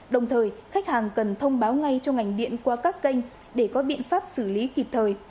đồng thời khách hàng cần thông báo ngay cho ngành điện qua các kênh để có biện pháp xử lý kịp thời